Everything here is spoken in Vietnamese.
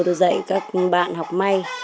tôi dạy các bạn học may